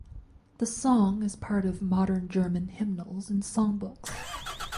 The song is part of modern German hymnals and songbooks.